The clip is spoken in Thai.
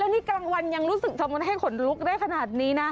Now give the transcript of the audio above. นี่กลางวันยังรู้สึกทำไมให้ขนลุกได้ขนาดนี้นะ